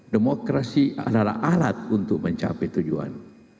demokrasi adalah alat untuk mencapai tujuan